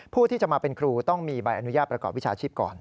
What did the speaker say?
ผู้ที่จะมาเป็นครูต้องมีใบอนุญาตประกอบวิชาชีพก่อน